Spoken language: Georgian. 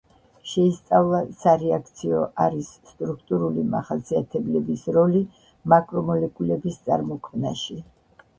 შეისწავლა სარეაქციო არის სტრუქტურული მახასიათებლების როლი მაკრომოლეკულების წარმოქმნაში.